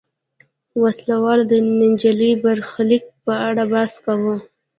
وسله والو د نجلۍ برخلیک په اړه بحث کاوه.